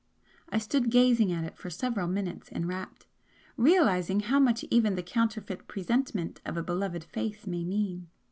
I stood gazing at it for several minutes, enrapt, realising how much even the 'counterfeit presentment' of a beloved face may mean.